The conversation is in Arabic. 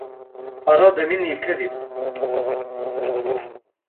أرادَ منّي الكذب.